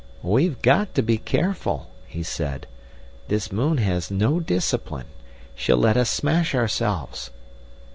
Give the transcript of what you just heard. "We've got to be careful," he said. "This moon has no discipline. She'll let us smash ourselves."